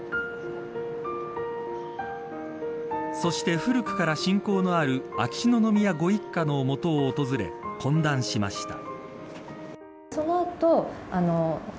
そして古くから親交のある秋篠宮ご一家のもとを訪れ懇談しました。